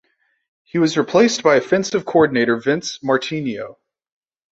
He was replaced by offensive coordinator Vince Martino.